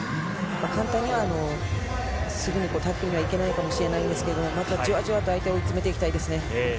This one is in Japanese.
簡単には、すぐにタックルにはいけないかもしれないんですけれども、じわじわと相手を追い詰めていきたいですね。